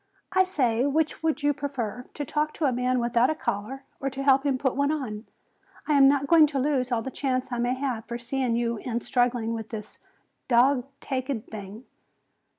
"I say, which would you prefer, to talk to a man without a collar or to help him put one on? I am not going to lose all the chance I may have for seeing you in struggling with this dog taked thing."